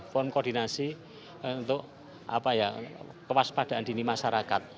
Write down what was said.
form koordinasi untuk kewaspadaan dini masyarakat